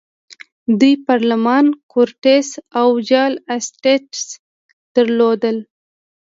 دوی پارلمان، کورټس او جل اسټټس درلودل.